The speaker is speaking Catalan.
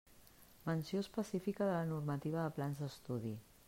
Menció específica de la normativa de plans d'estudi.